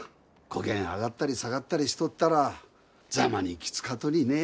こげん上がったり下がったりしとったらざまにきつかとにね。